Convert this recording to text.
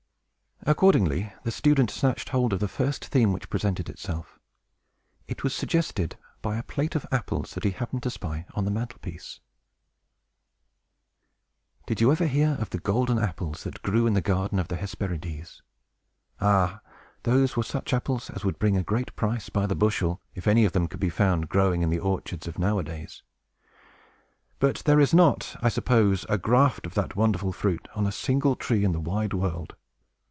Accordingly, the student snatched hold of the first theme which presented itself. It was suggested by a plate of apples that he happened to spy on the mantel piece. THE THREE GOLDEN APPLES Did you ever hear of the golden apples, that grew in the garden of the Hesperides? Ah, those were such apples as would bring a great price, by the bushel, if any of them could be found growing in the orchards of nowadays! But there is not, I suppose, a graft of that wonderful fruit on a single tree in the wide world.